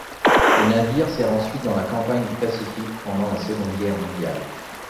Le navire sert ensuite dans la campagne du Pacifique pendant la Seconde Guerre mondiale.